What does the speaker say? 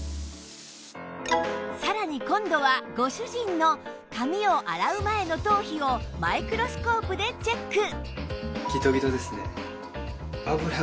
さらに今度はご主人の髪を洗う前の頭皮をマイクロスコープでチェック